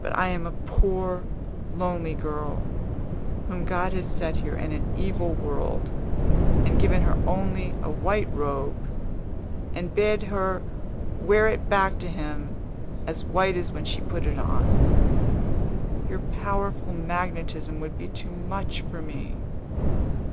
But I am a poor, lonely girl, whom God has set here in an evil world, and given her only a white robe, and bid her wear it back to Him, as white as when she put it on. Your powerful magnetism would be too much for me.